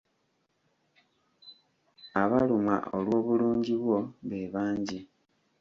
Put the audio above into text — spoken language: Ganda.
Abalumwa olw’obulungi bwo be bangi.